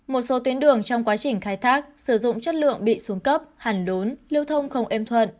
một số tuyến đường trong quá trình khai thác sử dụng chất lượng bị xuống cấp hẳn đốn lưu thông không êm thuận